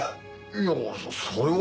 いやあそれは。